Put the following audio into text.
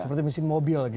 seperti mesin mobil gitu